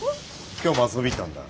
今日も遊び行ったんだ？